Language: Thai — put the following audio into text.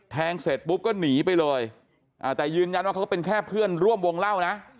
แทงเสร็จปุ๊บก็หนีไปเลยแต่ยืนยันว่าเขาก็เป็นแค่เพื่อนร่วมวงเล่านะ